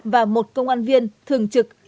và một công an viên thường trực